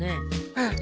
あっ！